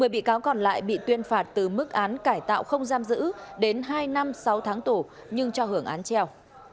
một mươi bị cáo còn lại bị tuyên phạt từ mức án cải tạo không giam giữ đến hai năm sáu tháng tù nhưng cho hưởng án treo